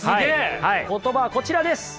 言葉はこちらです。